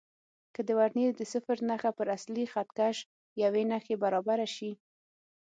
که د ورنیې د صفر نښه پر اصلي خط کش یوې نښې برابره شي.